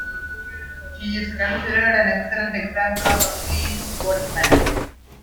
He is considered an excellent example of a clean sportsman.